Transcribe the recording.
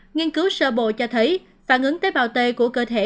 nghiên cứu sơ bộ cho thấy phản ứng tế bào t của cơ thể